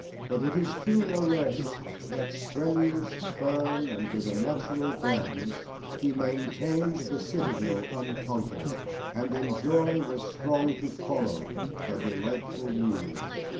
But it is true, no less, that strenuous, firm, And with a natural gladness, he maintained The citadel unconquered, and in joy Was strong to follow the delightful Muse.